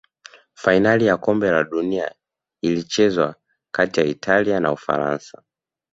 fainali ya kombe la dunia ilichezwa kati italia na ufaransa